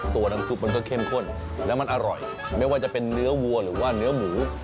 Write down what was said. ตัวน้ำซุปมันก็เข้มข้นแล้วมันอร่อยไม่ว่าจะเป็นเนื้อวัวหรือว่าเนื้อหมู